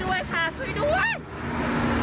ดูสินี่มันจะมาตีฉัน